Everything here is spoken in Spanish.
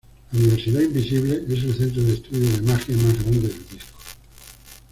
La Universidad Invisible es el centro de estudio de magia más grande del Disco.